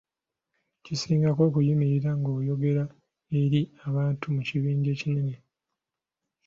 Kisingako okuyimirira nga oyogera eri abantu mu kibinja ekinene.